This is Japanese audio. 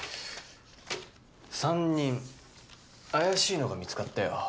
３人怪しいのが見つかったよ